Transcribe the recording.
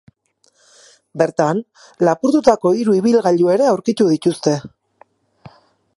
Bertan, lapurtutako hiru ibilgailu ere aurkitu dituzte.